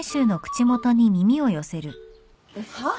はっ？